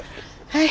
はい。